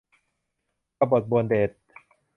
กบฏบวรเดช